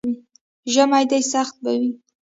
ژمی دی، سخته به وي.